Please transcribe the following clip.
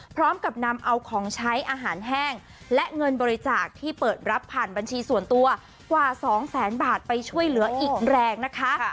พร้อมกับนำเอาของใช้อาหารแห้งและเงินบริจาคที่เปิดรับผ่านบัญชีส่วนตัวกว่าสองแสนบาทไปช่วยเหลืออีกแรงนะคะ